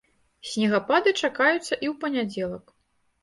Снегапады чакаюцца і ў панядзелак.